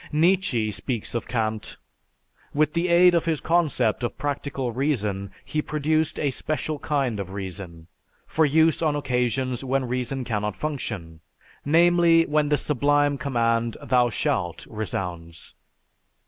Nietzsche speaks of Kant: "With the aid of his concept of 'Practical Reason,' he produced a special kind of reason, for use on occasions when reason cannot function: namely, when the sublime command, 'Thou shalt,' resounds."